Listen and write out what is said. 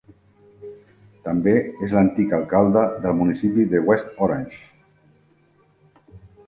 També és l'antic alcalde del municipi de West Orange.